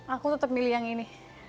aku tetap milih yang ini